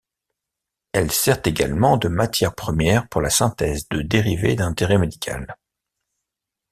Elle sert également de matière première pour la synthèse de dérivés d'intérêt médical.